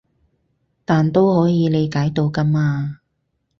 但都可以理解到㗎嘛